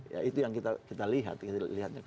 ya itu yang kita lihat